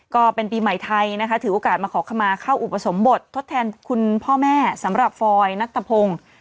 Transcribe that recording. ก็เป็นปีใหม่ไทยนะคะถือโอกาสมาขอขมาเข้าอุปสมบททดแทนคุณพ่อแม่สำหรับฟอยนัตตะพงศ์